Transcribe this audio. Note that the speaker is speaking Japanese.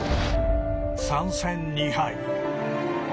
３戦２敗。